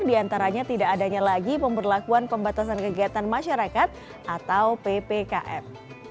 di antaranya tidak adanya lagi pemberlakuan pembatasan kegiatan masyarakat atau ppkm